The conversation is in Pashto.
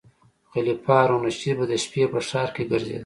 خلیفه هارون الرشید به د شپې په ښار کې ګرځیده.